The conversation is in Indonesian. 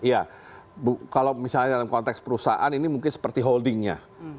ya kalau misalnya dalam konteks perusahaan ini mungkin seperti holdingnya